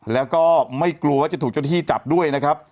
แล้วก็ไม่กลัวว่าจะถูกเจ้าหน้าที่จับด้วยนะครับ